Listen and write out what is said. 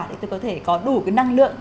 để tôi có thể có đủ năng lượng